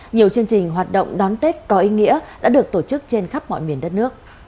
nhiều chương trình hoạt động đón tết có ý nghĩa đã được tổ chức trên khắp mọi miền đất nước